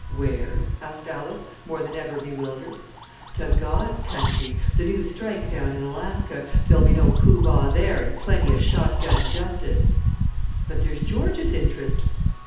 "Where?" asked Alice, more than ever bewildered. "To God's country the new strike down in Alaska; there'll be no Poo Bah there, and plenty of shot gun justice." "But there's George's interest."